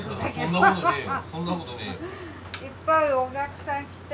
そんなことねえよ。